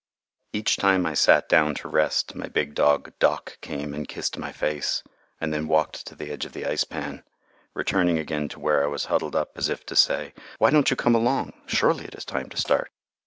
Each time I sat down to rest, my big dog "Doc" came and kissed my face and then walked to the edge of the ice pan, returning again to where I was huddled up, as if to say, "Why don't you come along? Surely it is time to start."